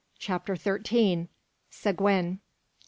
CHAPTER THIRTEEN. SEGUIN.